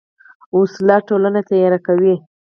وسله ټولنه تیاره کوي